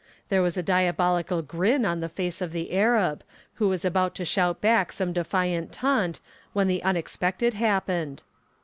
There was a diabolical grin on the face of the Arab, who was about to shout back some defiant taunt when the unexpected happened.